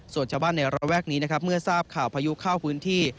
ส่วนชาวบ้านในระแวกนี้นะครับเมื่อทราบข่าวพายุเข้าพื้นที่